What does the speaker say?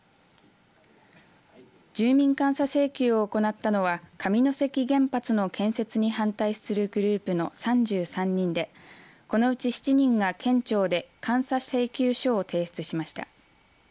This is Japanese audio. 住民監査請求を行ったのは上関原発の建設に反対するグループの３３人でこのうち７人が県庁で監査請求書を提出しました。